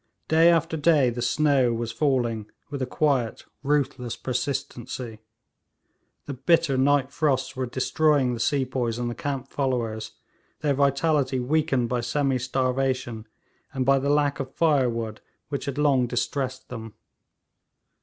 Day after day the snow was falling with a quiet, ruthless persistency. The bitter night frosts were destroying the sepoys and the camp followers, their vitality weakened by semi starvation and by the lack of firewood which had long distressed them.